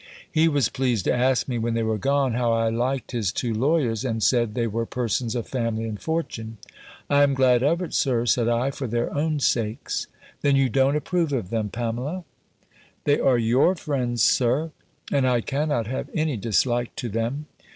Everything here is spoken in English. He was pleased to ask me, when they were gone, how I liked his two lawyers? And said, they were persons of family and fortune. "I am glad of it, Sir," said I; "for their own sakes." "Then you don't approve of them, Pamela?" "They are your friends, Sir; and I cannot have any dislike to them."